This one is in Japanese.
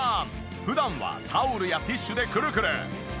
普段はタオルやティッシュでくるくる。